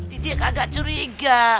titik agak curiga